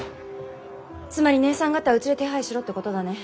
つまり姐さん方をうちで手配しろってことだね。